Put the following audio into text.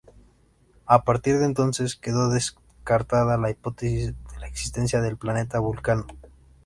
A partir de entonces, quedó descartada la hipótesis de la existencia del planeta Vulcano.